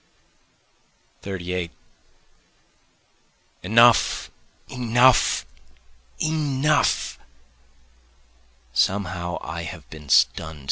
38 Enough! enough! enough! Somehow I have been stunn'd.